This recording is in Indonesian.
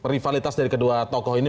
rivalitas dari kedua tokoh ini